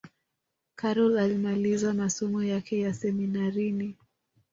karol alimaliza masomo yake ya seminarini